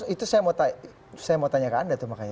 itu saya mau tanya ke anda tuh makanya